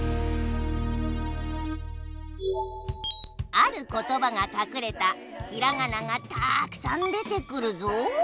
あることばがかくれたひらがながたくさん出てくるぞ。